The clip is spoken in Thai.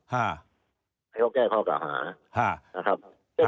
ให้เขาแก้ข้อกล่าวหานะครับ